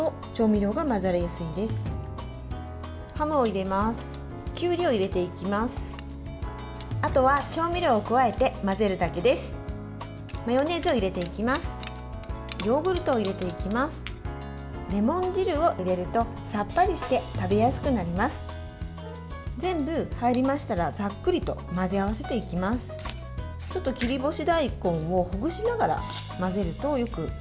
ちょっと切り干し大根をほぐしながら混ぜるとよく混ざります。